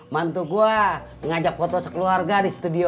mantu gue ngajak foto sekeluarga di studio